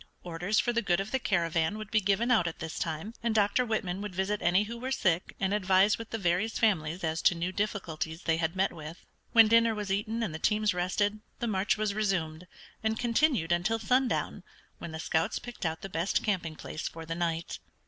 Orders for the good of the caravan would be given out at this time, and Dr. Whitman would visit any who were sick and advise with the various families as to new difficulties they had met with. When dinner was eaten and the teams rested the march was resumed, and continued until sundown, when the scouts picked out the best camping place for the night.